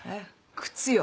靴よ。